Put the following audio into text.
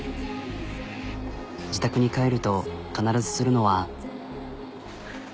自宅に帰ると必ずするのは。